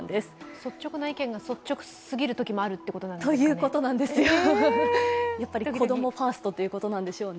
率直な意見が、率直すぎるときがあるということなんでしょうかね。